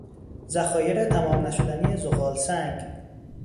ذخایر تمام نشدنی زغالسنگ